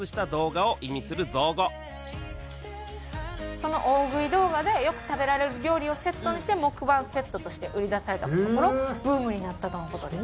その大食い動画でよく食べられる料理をセットにしてモクバンセットとして売り出されたところブームになったとの事です。